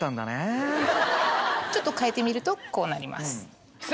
ちょっと変えてみるとこうなります。